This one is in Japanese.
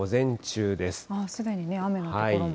すでに雨の所も。